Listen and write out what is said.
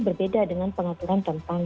berbeda dengan pengaturan tentang